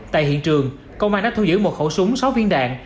tại hiện trường công an đã thu giữ một khẩu súng sáu viên đạn